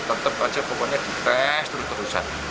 tetap aja pokoknya dites terus terusan